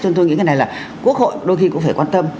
cho nên tôi nghĩ thế này là quốc hội đôi khi cũng phải quan tâm